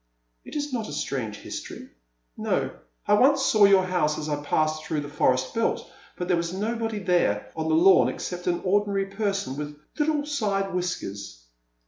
It is not a strange history, — no, I once saw your house as I passed through the forest belt, but there was nobody there on the lawn except an ordinary person with little side whiskers.